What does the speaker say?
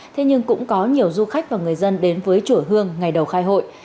thế nhưng cũng có nhiều du khách và người dân đến với chùa hương ngày đầu khai hội